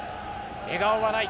笑顔はない。